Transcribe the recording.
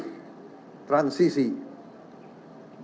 kita keh failing pertanyaan sekarang